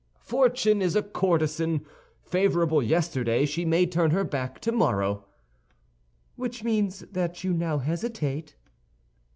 "Fortune is a courtesan; favorable yesterday, she may turn her back tomorrow." "Which means that you now hesitate?"